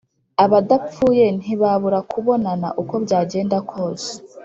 Abadapfuye ntibabura kubonana uko byagenda kose